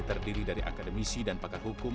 terdiri dari akademisi dan pakar hukum